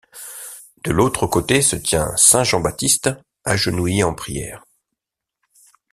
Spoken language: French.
De l'autre côté se tient saint Jean-Baptiste agenouillé en prière.